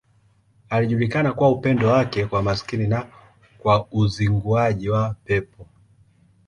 Alijulikana kwa upendo wake kwa maskini na kwa uzinguaji wa pepo.